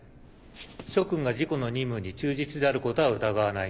諸君が自己の任務に忠実であることは疑わない。